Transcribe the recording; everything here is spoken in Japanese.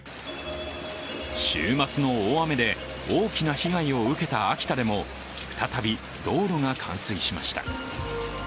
週末の大雨で大きな被害を受けた秋田でも再び道路が冠水しました。